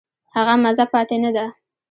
هغه مزه پاتې نه ده.